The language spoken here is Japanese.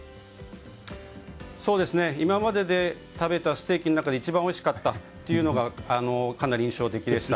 今までで食べたステーキの中で一番おいしかったというのがかなり印象的でした。